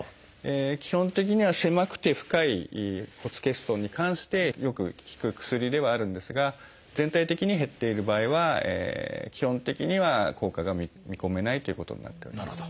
基本的には狭くて深い骨欠損に関してよく効く薬ではあるんですが全体的に減っている場合は基本的には効果が見込めないということになっております。